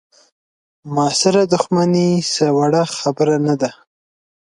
معاصره دوښمني څه وړه خبره نه ده.